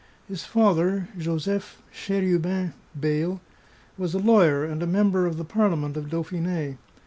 His father, Joseph Cherubin Beyle, was a lawyer and a member of the parliament of Dauphine.